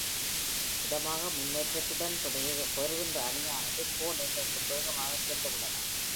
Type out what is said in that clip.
மிதமாக முன்னேற்றத்துடன், பெறுகின்ற அணியானது கோல் எல்லைக்குள் வேகமாகச் சென்றுவிடலாம்.